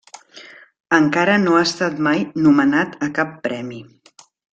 Encara no ha estat mai nomenat a cap premi.